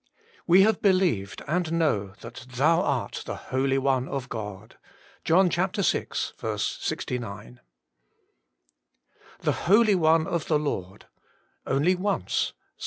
We have believed and know that Thou art the Holy One of God.' JOHN vi. 69. ' fTlHE holy one of the Lord' only once (Ps.